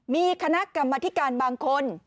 มีคณะกรรมธิการบางคน